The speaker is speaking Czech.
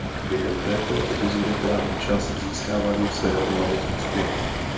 Během této epizody tráví čas získáváním svého majetku zpět.